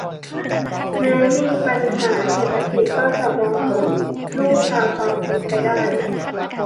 แม้มีปัญหาเศรษฐกิจก็จะมองเห็นลู่ทางความเป็นไปได้